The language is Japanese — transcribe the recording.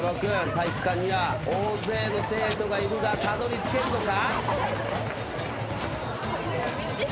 体育館には大勢の生徒がいるがたどり着けるのか？